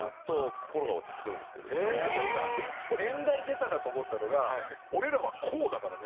でもさ年代出たなと思ったのが俺らはこうだからね。